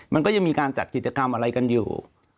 มันก็ยังมีการจัดกิจกรรมอะไรกันอยู่